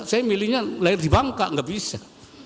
saya milihnya lahir di bangka nggak bisa